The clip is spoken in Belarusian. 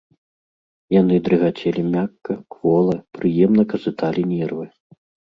Яны дрыгацелі мякка, квола, прыемна казыталі нервы.